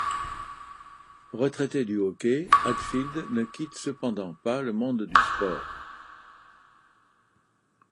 Retraité du hockey, Hadfield ne quitte cependant pas le monde du sport.